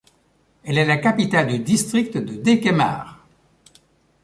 Elle est la capitale du district de Dekemhare.